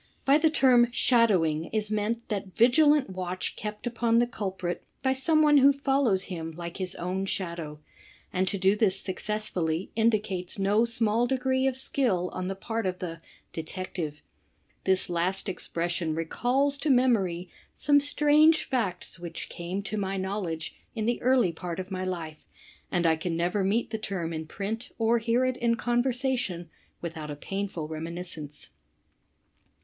By the term "shadowing" is meant that vigilant watch kept upon the culprit by some one who follows him like his own shadow, and to do this successfully indicates no small degree of skill on the part of the "detective." This last expression recalls to memory some strange facl^ which came to my knowledge in the early part of my life, and I can never meet the tertn in print or hear it in conversation without a painful reminiscence.